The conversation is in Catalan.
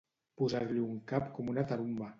Posar-li un cap com una tarumba.